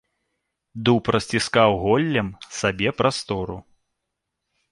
Дуб расціскаў голлем сабе прастору.